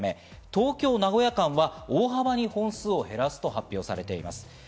東京ー名古屋間は大幅に本数を減らすと発表されています。